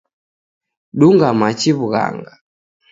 Dunga machi w'ughanga.